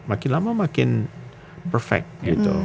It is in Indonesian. makin lama makin perfect gitu